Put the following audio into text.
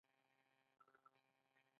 شرکت مالیات ورکولی شي.